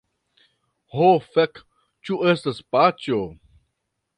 Ho fek, ĉu estas paĉjo?